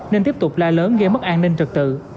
nên tiếp tục la lớn gây mất an ninh trật tự